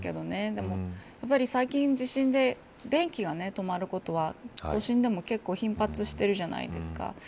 でも、やっぱり最近地震で電気が止まることは都心でも頻発してるじゃないですか。